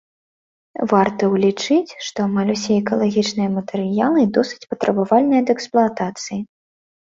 Варта ўлічыць, што амаль усе экалагічныя матэрыялы досыць патрабавальныя да эксплуатацыі.